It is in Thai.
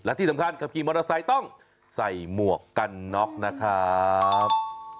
และที่สำคัญขับขี่มอเตอร์ไซค์ต้องใส่หมวกกันน็อกนะครับ